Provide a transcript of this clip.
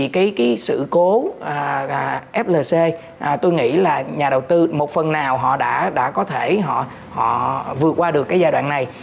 cái sự cố flc tôi nghĩ là nhà đầu tư một phần nào họ đã có thể họ vượt qua được cái giai đoạn này